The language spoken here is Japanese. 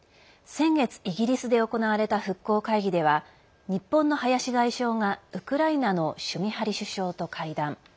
先月、イギリスで行われた復興会議では日本の林外相がウクライナのシュミハリ首相と会談。